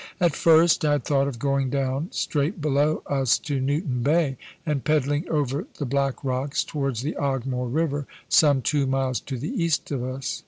At first I had thought of going down straight below us to Newton Bay, and peddling over the Black Rocks towards the Ogmore river, some two miles to the east of us.